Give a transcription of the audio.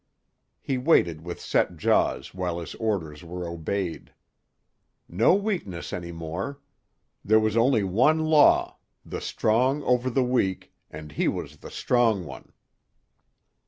He waited with set jaws while his orders were obeyed. No weakness any more. There was only one law, the strong over the weak, and he was the strong one.